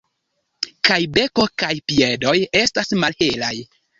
Kaj beko kaj piedoj estas malhelaj.